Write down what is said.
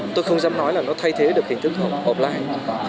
tôi không dám nói là nó thay thế được hình thức học online